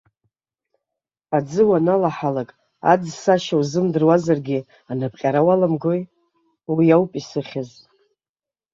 Аӡы уаналаҳалак, аӡсашьа узымдыруазаргьы, анапҟьара уаламгои, уи ауп исыхьыз.